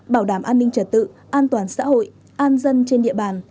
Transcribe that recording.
bảo đảm an ninh trật tự an toàn xã hội an dân trên địa bàn